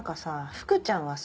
福ちゃんはさ